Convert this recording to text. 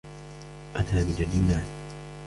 أنا من اليونان.